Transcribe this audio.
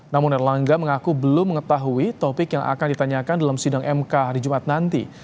namun erlangga mengaku belum mengetahui topik yang akan ditanyakan dalam sidang mk hari jumat nanti